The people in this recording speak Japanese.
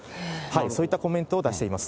そういったコメントを出しています。